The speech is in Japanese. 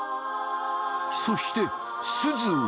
そしてすずは。